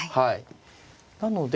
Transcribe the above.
なので。